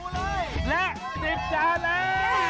และ๑๐จานแล้ว